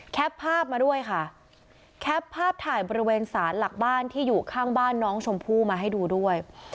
ภาพมาด้วยค่ะแคปภาพถ่ายบริเวณสารหลักบ้านที่อยู่ข้างบ้านน้องชมพู่มาให้ดูด้วย